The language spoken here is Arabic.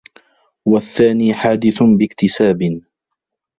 وَالثَّانِي حَادِثٌ بِاكْتِسَابٍ